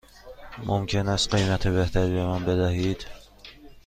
ممکن است قیمت بهتری به من بدهید؟